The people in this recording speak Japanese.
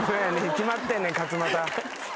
決まってんねん。